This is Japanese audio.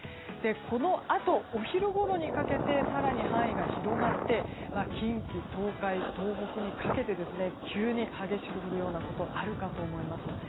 このあと、お昼ごろにかけて更に範囲が広がって近畿、東海、東北にかけて急に激しく降るようなことあるかと思います。